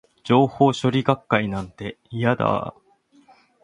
情報処理学会なんて、嫌だー